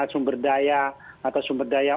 sumber daya atau sumber daya